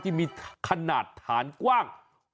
ที่มีขนาดฐานกว้าง